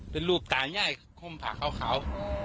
เป็นลูกตาญ้ายคมพักคาว